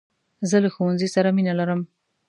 زه له ښوونځۍ سره مینه لرم .